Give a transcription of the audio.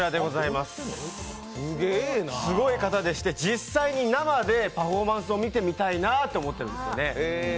すごい方でして、実際に生でパフォーマンスを見てみたいなと思ってるんですね。